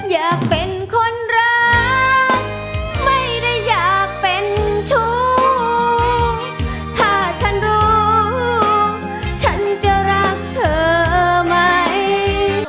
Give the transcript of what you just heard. อยากเป็นคนรักไม่ได้อยากเป็นชู้ถ้าฉันรู้ฉันจะรักเธอไหม